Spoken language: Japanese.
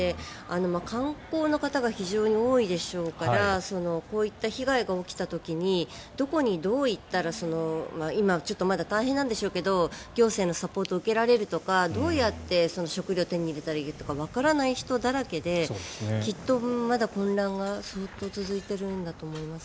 観光の方が非常に多いでしょうからこういった被害が起きた時にどこにどう行ったら今、まだ大変なんでしょうけど行政のサポートを受けられるとか、どうやって食料を手に入れたらいいとかわからない人だらけできっとまだ混乱が相当続いてるんだと思います。